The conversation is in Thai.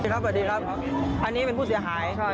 สวัสดีครับอันนี้เป็นผู้เสียหาย